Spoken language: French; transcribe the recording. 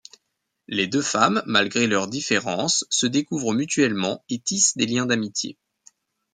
Les deux femmes, malgré leurs différences, se découvrent mutuellement et tissent des liens d'amitié.